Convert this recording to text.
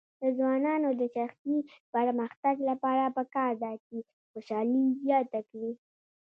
د ځوانانو د شخصي پرمختګ لپاره پکار ده چې خوشحالي زیاته کړي.